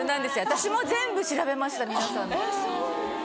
私も全部調べました皆さんの。